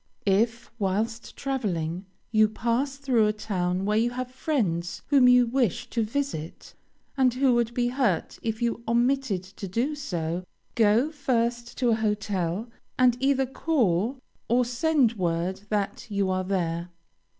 If, whilst traveling, you pass through a town where you have friends whom you wish to visit, and who would be hurt if you omitted to do so, go first to a hotel, and either call or send word that you are there.